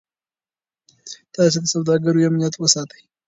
تاسي د سوداګرو امنیت وساتئ.